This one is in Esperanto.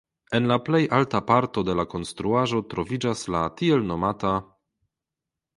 En la plej alta parto de la konstruaĵo troviĝas la tn.